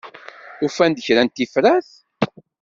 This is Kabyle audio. Ufan-d kra n tifrat?